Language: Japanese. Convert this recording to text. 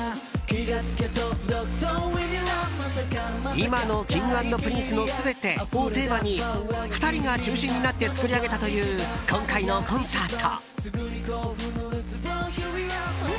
「今のＫｉｎｇ＆Ｐｒｉｎｃｅのすべて」をテーマに２人が中心になって作り上げたという今回のコンサート。